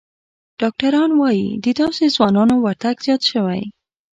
ډاکتران وايي، د داسې ځوانانو ورتګ زیات شوی